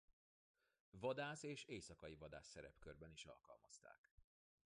Vadász és éjszakai vadász szerepkörben is alkalmazták.